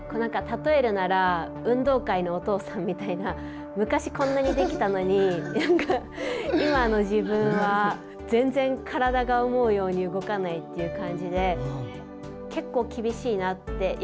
例えるなら運動会のお父さんみたいな昔、こんなにできたのに今の自分は全然体が思うように動かないという感じで結構、厳しいなって。